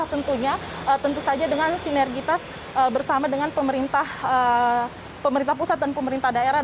tentunya tentu saja dengan sinergitas bersama dengan pemerintah pusat dan pemerintah daerah